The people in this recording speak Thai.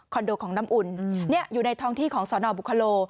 โดของน้ำอุ่นอยู่ในท้องที่ของสนบุคโล